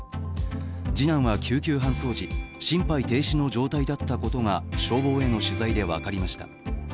次男は救急搬送時、心肺停止の状態だったことが消防への取材で分かりました。